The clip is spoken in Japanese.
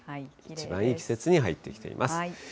一番いい季節に入ってきています。